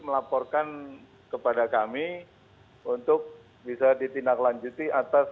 melaporkan kepada kami untuk bisa ditindaklanjuti atas